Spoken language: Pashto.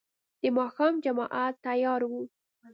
د ماښام جماعت تيار و.